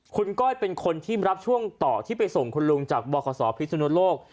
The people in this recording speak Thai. คุณก้อยเป็นคนที่รับช่วงต่อที่ไปส่งคุณลุงจากบขพิศนุโลก